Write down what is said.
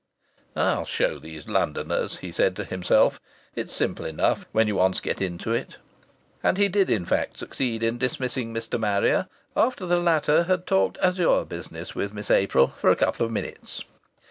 ("I'll show these Londoners!" he said to himself. "It's simple enough when you once get into it.") And he did in fact succeed in dismissing Mr. Marrier, after the latter had talked Azure business with Miss April for a couple of minutes.